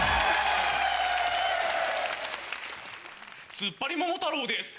つっぱり桃太郎です。